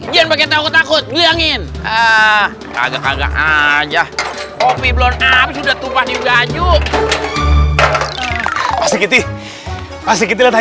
jangan pakai takut takut jangin ah kaget kaget aja